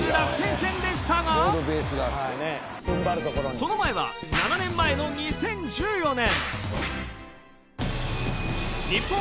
その前は７年前の２０１４年。